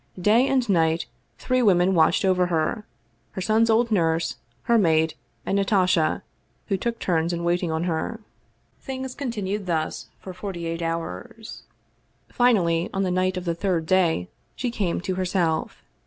Day and night, three women watched over her, her son's old nurse, her maid, and Natasha, who took turns in waiting on her. Things continued thus for forty eight hours. Finally, on the night of the third day she came to herself.